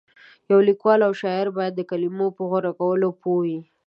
یو لیکوال او شاعر باید د کلمو په غوره کولو پوه وي.